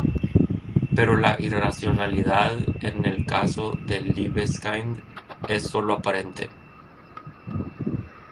Pero la irracionalidad en el caso de Libeskind es solo aparente.